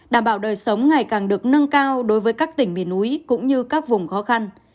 đảm bảo đời sống ngày càng được nâng cao đối với các tỉnh miền núi cũng như các vùng khó khăn